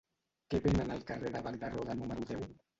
Què venen al carrer de Bac de Roda número deu?